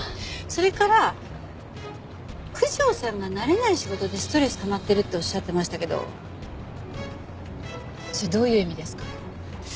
それから九条さんが慣れない仕事でストレスたまってるっておっしゃってましたけどそれどういう意味ですか？